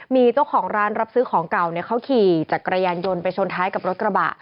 มีเจ้าของร้านรับซื้อของเก่าเขาขี่จักรยานยนต์ไปชนท้ายกับรถกระบะ